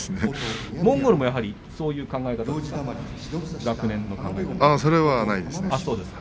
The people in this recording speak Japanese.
モンゴルもやはりそういう考え方ですか。